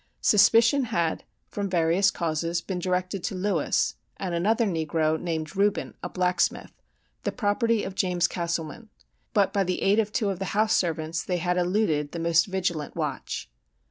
Suspicion had, from various causes, been directed to Lewis, and another negro, named Reuben (a blacksmith), the property of James Castleman; but by the aid of two of the house servants they had eluded the most vigilant watch.